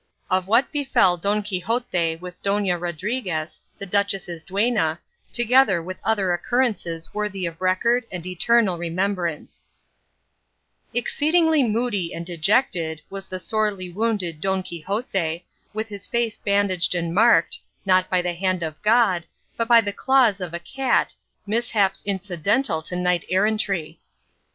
OF WHAT BEFELL DON QUIXOTE WITH DONA RODRIGUEZ, THE DUCHESS'S DUENNA, TOGETHER WITH OTHER OCCURRENCES WORTHY OF RECORD AND ETERNAL REMEMBRANCE Exceedingly moody and dejected was the sorely wounded Don Quixote, with his face bandaged and marked, not by the hand of God, but by the claws of a cat, mishaps incidental to knight errantry.